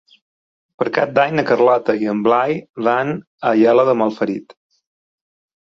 Per Cap d'Any na Carlota i en Blai van a Aielo de Malferit.